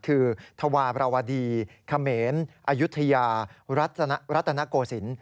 คือธวาประวัติขเมนอายุธยารัฐนโกสิน